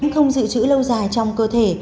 không dự trữ lâu dài trong cơ thể